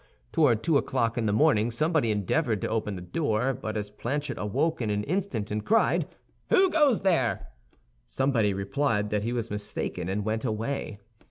Toward two o'clock in the morning somebody endeavored to open the door; but as Planchet awoke in an instant and cried, "Who goes there?" somebody replied that he was mistaken, and went away.